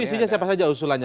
isinya siapa saja usulannya